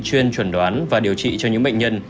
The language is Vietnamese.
chuyên chuẩn đoán và điều trị cho những bệnh nhân